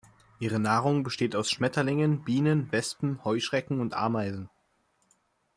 Ihre Nahrung besteht aus Schmetterlingen, Bienen, Wespen, Heuschrecken und Ameisen.